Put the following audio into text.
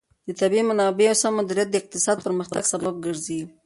د طبیعي منابعو سم مدیریت د اقتصادي پرمختګ سبب ګرځي.